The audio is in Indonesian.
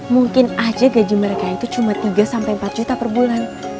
mungkin aja gaji mereka itu cuma tiga sampai empat juta per bulan